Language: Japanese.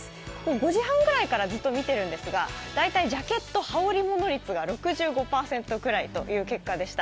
５時半くらいから大体見ているんですが、大体ジャケット羽織り物率が７５％ぐらいでした。